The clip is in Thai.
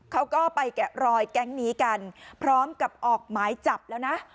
เขาก็ไปแกะรอยแก๊งนี้กันพร้อมกับออกหมายจับแล้วนะ